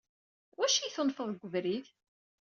Iwacu i yi-tunfeḍ deg ubrid?